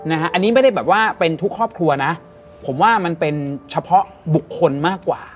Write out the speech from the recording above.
อันนี้ไม่ได้แบบว่าเป็นทุกครอบครัวนะผมว่ามันเป็นเฉพาะบุคคลมากกว่า